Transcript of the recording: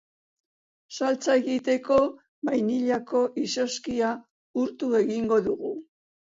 Saltsa egiteko bainillako izozkia urtu egingo dugu.